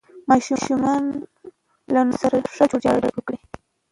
ماشومان له نورو سره ښه جوړجاړی وکړي.